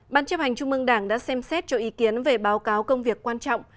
ban chấp hành trung mương đảng đã xem xét cho ý kiến về báo cáo công việc quan trọng